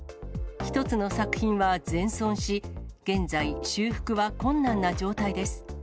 １つの作品は全損し、現在、修復は困難な状態です。